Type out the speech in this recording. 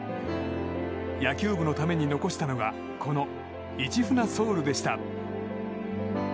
野球部のために残したのはこの「市船ｓｏｕｌ」でした。